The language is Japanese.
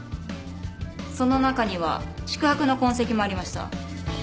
その中には宿泊の痕跡もありました。